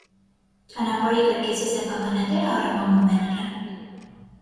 Ճանապարհին կրկեսի սեփականատերը առևանգում է նրան։